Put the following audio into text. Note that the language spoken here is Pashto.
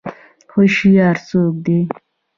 هوشیار څوک دی؟